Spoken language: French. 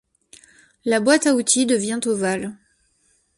La boite à outils devient ovale.